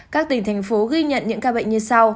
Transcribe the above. các tỉnh thành phố ghi nhận những ca bệnh như sau